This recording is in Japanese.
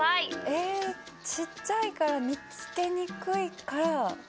えぇ小っちゃいから見つけにくいから。